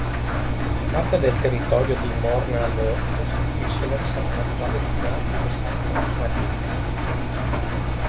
Parte del territorio di Morne-à-l'Eau costituisce la riserva naturale di "Grand Cul-de-Sac marin".